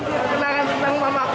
dari kapan bu